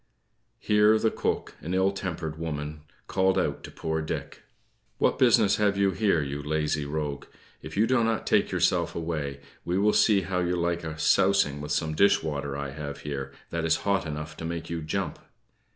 Here the cook, an ill tempered woman, called out to poor Dick: "What business have you there, you lazy rogue? If you do not take yourself away, we will see how you like a sousing of some dish water I have here, that is hot enough to make you jump."